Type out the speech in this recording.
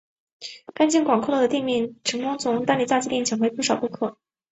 干净宽广的店面成功从丹尼炸鸡店抢回不少顾客。